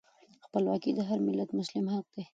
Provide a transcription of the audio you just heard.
خپلواکي د هر ملت مسلم حق دی.